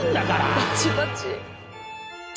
バチバチ。